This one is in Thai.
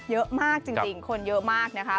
เยอะมากจริงคนเยอะมากนะคะ